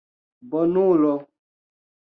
bonulo